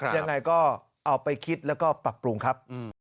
ยังไงก็เอาไปคิดแล้วก็ปรับปรุงครับ